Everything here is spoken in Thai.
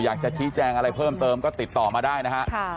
อยากจะชี้แจงอะไรเพิ่มเติมก็ติดต่อมาได้นะฮะ